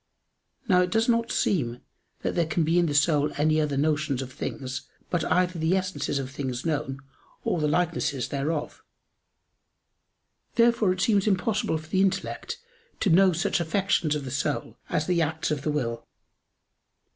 Now it does not seem that there can be in the soul any other notions of things but either the essences of things known or the likenesses thereof. Therefore it seems impossible for the intellect to known such affections of the soul as the acts of the will.